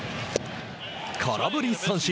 空振り三振！